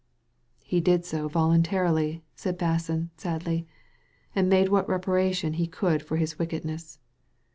^ He did so voluntarily," said Basson, sadly, " and made what reparation he could for his wickedness.